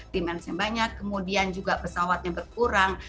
demand nya banyak kemudian juga pesawatnya berkurang